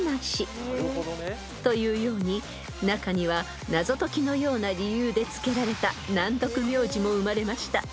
というように中には謎解きのような理由で付けられた難読名字も生まれました］